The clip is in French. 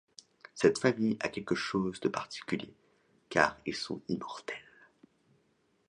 Cette famille a quelque chose de particulier, car ils sont immortels.